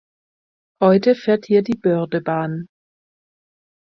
Heute fährt hier die Bördebahn.